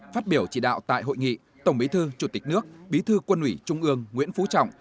phát biểu chỉ đạo tại hội nghị tổng bí thư chủ tịch nước bí thư quân ủy trung ương nguyễn phú trọng